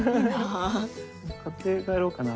買って帰ろうかな。